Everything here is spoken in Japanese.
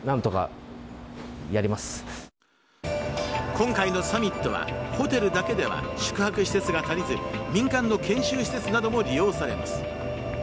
今回のサミットはホテルだけでは宿泊施設が足りず民間の研修施設なども利用されます。